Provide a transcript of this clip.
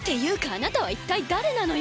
あなたは一体誰なのよ？